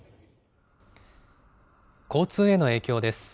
交通への影響です。